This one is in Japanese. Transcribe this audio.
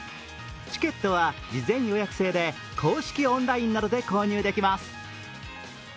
チケットは事前予約制で公式オンラインなどで購入できます。